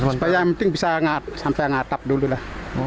supaya yang penting bisa sampai ngatap dulu lah